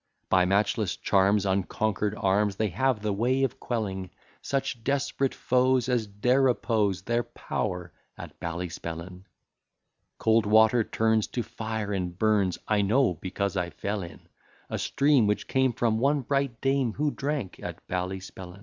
By matchless charms, unconquer'd arms, They have the way of quelling Such desperate foes as dare oppose Their power at Ballyspellin. Cold water turns to fire, and burns I know, because I fell in A stream, which came from one bright dame Who drank at Ballyspellin.